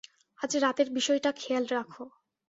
আজ রাতের বিষয়টা খেয়াল রাখো।